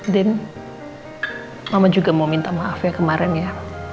din mama juga mau minta maaf ya kemaren ya